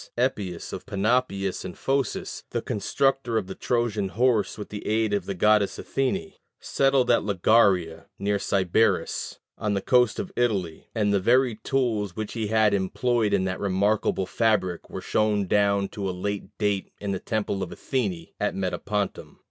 Epius, of Panopeus in Phocis, the constructor of the Trojan horse with the aid of the goddess Athene, settled at Lagaria, near Sybaris, on the coast of Italy; and the very tools which he had employed in that remarkable fabric were shown down to a late date in the temple of Athene at Metapontum.